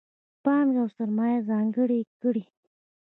پانګه او سرمایه ځانګړې کړي.